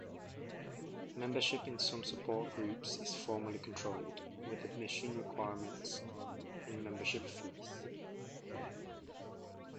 Membership in some support groups is formally controlled, with admission requirements and membership fees.